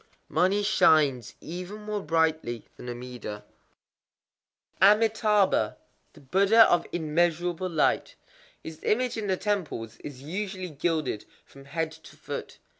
_ Money shines even more brightly than Amida. Amitâbha, the Buddha of Immeasurable Light. His image in the temples is usually gilded from head to foot.